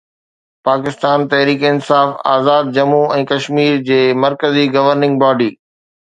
پاڪستان تحريڪ انصاف آزاد ڄمون ۽ ڪشمير جي مرڪزي governing body